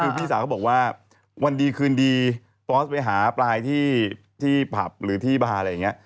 คือพี่สาวเขาบอกว่าวันดีคืนดีฟอสไปหาปลายที่ผับหรือที่บาร์อะไรอย่างนี้